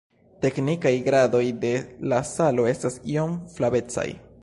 Teknikaj gradoj de la salo estas iom flavecaj.